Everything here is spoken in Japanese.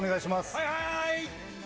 はいはーい。